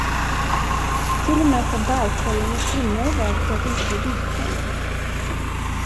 Till och med ta bärkorgen och springa er väg för att inte bli biten?